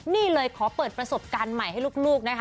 นี่เลยขอเปิดประสบการณ์ใหม่ให้ลูกนะคะ